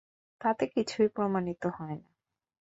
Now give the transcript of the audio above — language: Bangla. তাতে কিছুই প্রমাণিত হয় না।